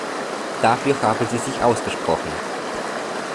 Dafür haben Sie sich ausgesprochen.